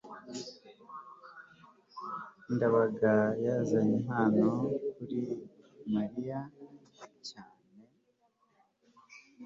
ndabaga yazanye impano kuri mariya cyane